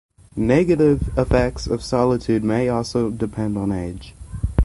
Negative effects of solitude may also depend on age.